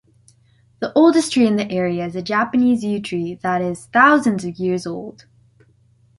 The oldest tree in the area is a Japanese yew tree that is thousands of years old.